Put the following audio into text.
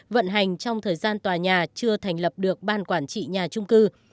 vận hành trong thời gian tòa nhà chưa thành lập được ban quản trị nhà trung cư